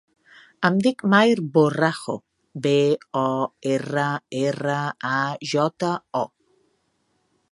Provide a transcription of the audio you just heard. Em dic Maher Borrajo: be, o, erra, erra, a, jota, o.